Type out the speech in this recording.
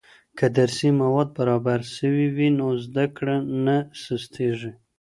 که درسي مواد برابر سوي وي نو زده کړه نه سستيږي.